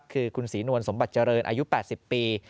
คือคุณศรีนวลสมบัติเจริญอายุ๘๐ปี